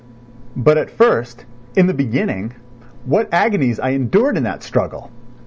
But at first, in the beginning, what agonies I endured in that struggle!